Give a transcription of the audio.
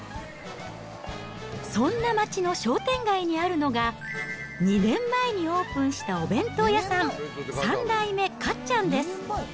そんな街の商店街にあるのが、２年前にオープンしたお弁当屋さん、三代目かっちゃんです。